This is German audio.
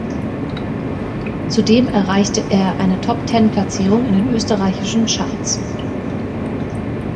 Zudem erreichte er eine Top-Ten-Platzierung in den österreichischen Charts.